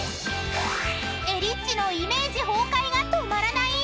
［えりっちのイメージ崩壊が止まらない⁉］